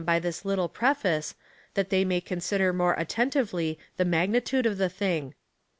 by this little preface, that they may consider more atten tively the magnitude of the thing.